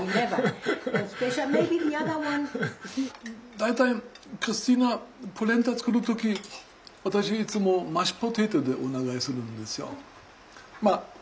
大体クリスティーナポレンタ作る時私いつもマッシュポテトでお願いするんですよ。